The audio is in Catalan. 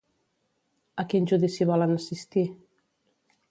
A quin judici volen assistir?